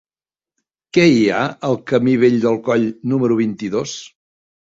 Què hi ha al camí Vell del Coll número vint-i-dos?